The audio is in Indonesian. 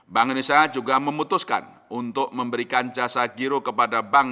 bank indonesia juga memutuskan untuk memberikan jasa giro kepada bank